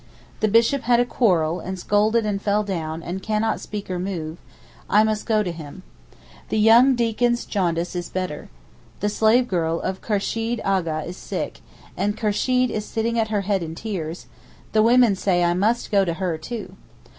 The Bishop had a quarrel, and scolded and fell down, and cannot speak or move; I must go to him. The young deacon's jaundice is better. The slave girl of Kursheed A'gha is sick, and Kursheed is sitting at her head in tears; the women say I must go to her, too.